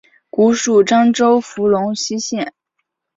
古属漳州府龙溪县。